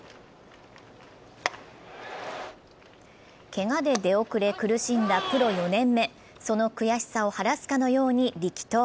けが出遅れ苦しんだプロ４年目、その悔しさを晴らすかのように力投。